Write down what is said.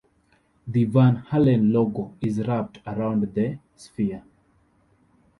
The Van Halen logo is wrapped around the sphere.